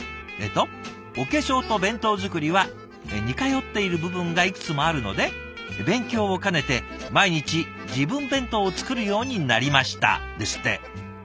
えっと「お化粧と弁当作りは似通っている部分がいくつもあるので勉強を兼ねて毎日自分弁当を作るようになりました」ですって。